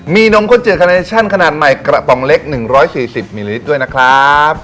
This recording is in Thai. มีนมข้นจืดคาเนชั่นขนาดใหม่กระป๋องเล็ก๑๔๐มิลลิลิตรด้วยนะครับ